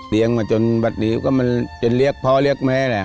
เลี้ยงมาจนแบบนี้ก็มันจนเรียกพ่อเรียกแม่แหละ